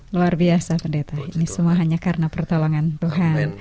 luar biasa pendeta ini semua hanya karena pertolongan tuhan